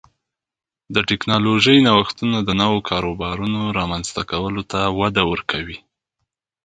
د ټکنالوژۍ نوښتونه د نوو کاروبارونو رامنځته کولو ته وده ورکوي.